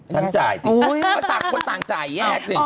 จ่ายสิก็ต่างคนต่างจ่ายแยกสิ